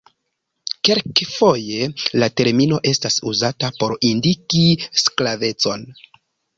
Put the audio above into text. Kelkfoje la termino estas uzata por indiki sklavecon.